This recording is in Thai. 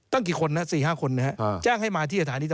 ตั้งอีกกฎิ